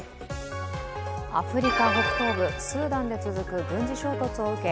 アフリカ北東部スーダンで続く軍事衝突を受け